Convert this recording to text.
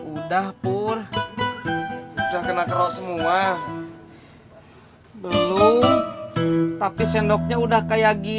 udah pur udah kena kerok semua belum tapi sendoknya udah kayak gini